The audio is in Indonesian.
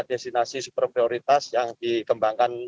destinasi super prioritas yang dikembangkan